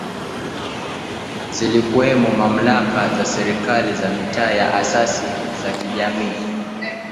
Zilikuwemo Mamlaka za Serikali za Mitaa na Asasi za Kijamii